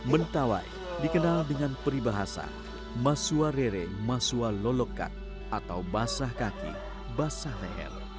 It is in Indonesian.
mentawai dikenal dengan peribahasa masuarere masualolokat atau basah kaki basah leher